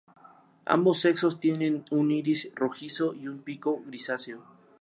Ambos sexos tienen un iris rojizo y un pico grisáceo.